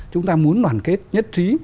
chúng ta muốn đoàn kết nhất trí